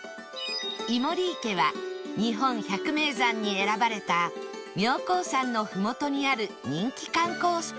いもり池は日本百名山に選ばれた妙高山の麓にある人気観光スポット